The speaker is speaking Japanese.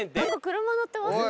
車乗ってますね。